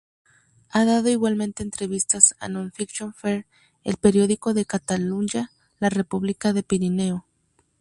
Ha dado igualmente entrevistas a Nonfiction.fr, El Periódico de Catalunya, La República de Pirineo.